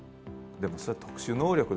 でもそれは特殊能力ですよね